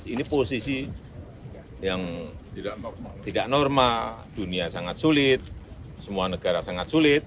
ini posisi yang tidak normal dunia sangat sulit semua negara sangat sulit